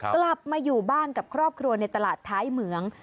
กลับมาอยู่บ้านกับครอบครัวในตลาดท้ายเหมือง